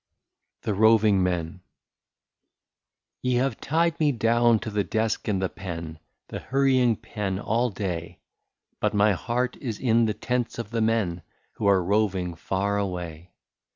1 62 THE ROVING MEN. Ye have tied me down to the desk and the pen, The hurrying pen all day, But my heart is in the tents of the men, Who are roving far away.